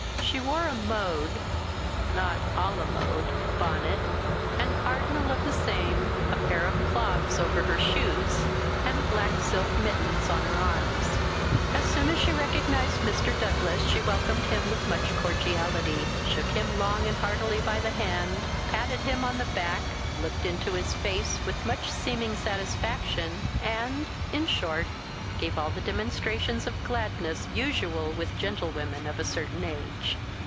She wore a mode (not à la mode ) bonnet, and cardinal of the same, a pair of clogs over her shoes, and black silk mittens on her arms. As soon as she recognised Mr. Douglas she welcomed him with much cordiality, shook him long and heartily by the hand, patted him on the back, looked into his face with much seeming satisfaction; and, in short, gave all the demonstrations of gladness usual with gentlewomen of a certain age.